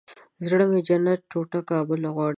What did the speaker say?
زړه مې جنت ټوټه کابل غواړي